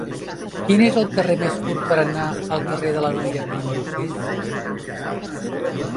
Quin és el camí més curt per anar al carrer de l'Anoia número sis?